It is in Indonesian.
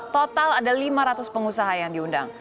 total ada lima ratus pengusaha yang diundang